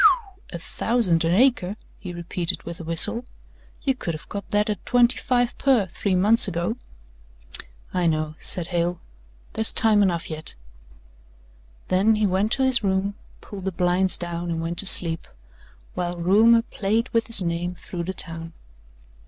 "A thousand an acre?" he repeated with a whistle. "You could have got that at twenty five per three months ago." "I know," said Hale, "there's time enough yet." Then he went to his room, pulled the blinds down and went to sleep, while rumour played with his name through the town.